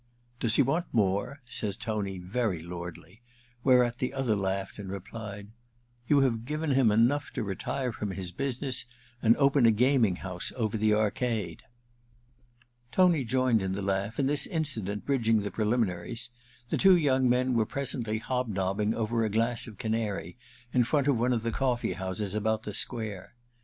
Does he want more ?* says Tony, very lordly ; whereat the other laughed and replied :^ You have given him enough to retire from his busi ness and open a gaming house over the arcade/ Tony joined in the laugh, and this incident bridging the preliminaries, the two young men were presently hobnobbing over a glass of Canary in front of one of the cofiee houses about the square.